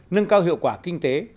nâng cao hiệu quả kinh tế